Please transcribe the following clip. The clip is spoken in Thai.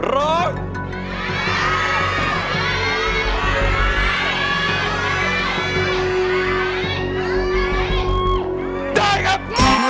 ร้องได้๖๐๐๐๐บาท